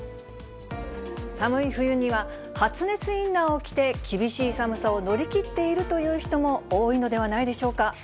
寒い冬には、発熱インナーを着て、気温差を乗り切っているという人も多いのではないでしょうか。